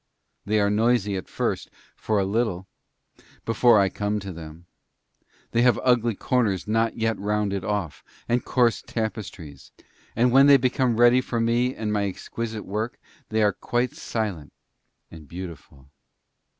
They are noisy at first, for a little, before I come to them; they have ugly corners not yet rounded off, and coarse tapestries, and then they become ready for me and my exquisite work, and are quite silent and beautiful.